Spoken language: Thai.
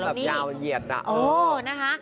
เพิ่มรอบแบบยาวเหยียดอะโอ้โหนะคะ